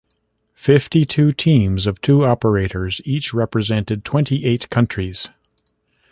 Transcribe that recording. Fifty-two teams of two operators each represented twenty-eight countries.